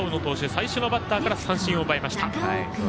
最初のバッターから三振をとりました。